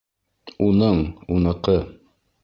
Уның, уныҡы